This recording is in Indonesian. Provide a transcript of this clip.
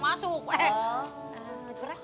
masuk nyomot masuk